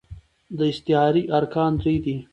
د استعارې ارکان درې دي.